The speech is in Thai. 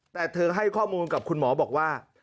แต่เธอให้ข้อมูลกับคุณหมอบอกว่า